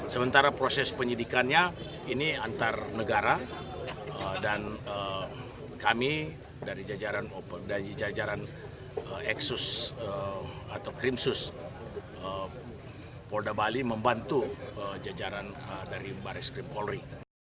sementara proses penyidikannya ini antar negara dan kami dari jajaran eksus atau krimsus polda bali membantu jajaran dari baris krim polri